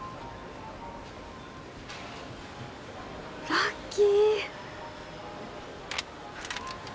ラッキー。